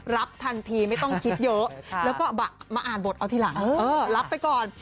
รับทันทีไม่ต้องคิดเยอะแล้วก็มาอ่านบทเอาทีหลังเออรับไปก่อน